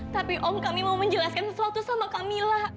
tapi om kami mau menjelaskan sesuatu sama kamilah